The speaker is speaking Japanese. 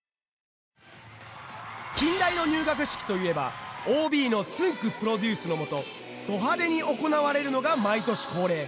近大の入学式といえばＯＢのつんく♂プロデュースのもとド派手に行われるのが毎年恒例。